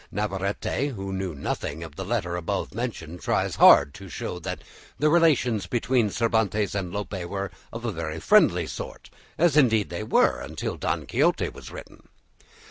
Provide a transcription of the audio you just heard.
Navarrete, who knew nothing of the letter above mentioned, tries hard to show that the relations between Cervantes and Lope were of a very friendly sort, as indeed they were until "Don Quixote" was written.